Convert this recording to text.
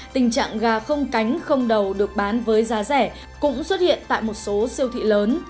tình trạng gà không cánh không đầu được bán với giá rẻ cũng xuất hiện tại một số siêu thị lớn